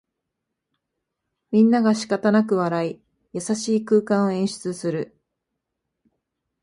みんながしかたなく笑い、優しい空間を演出する